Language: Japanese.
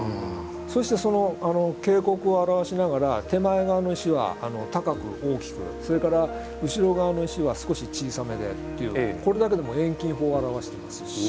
そしてその渓谷を表しながら手前側の石は高く大きくそれから後ろ側の石は少し小さめでっていうこれだけでも遠近法を表していますし。